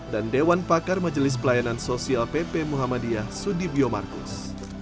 dewan pakar majelis pelayanan sosial pp muhammadiyah sudibyo markus